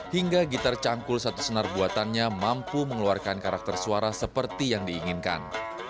hingga gitar cangkul satu senar buatannya mampu mengeluarkan karakter suara seperti yang diinginkan